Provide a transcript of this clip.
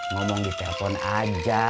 ngomong di telpon aja